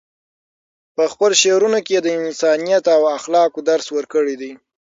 په خپلو شعرونو کې یې د انسانیت او اخلاقو درس ورکړی دی.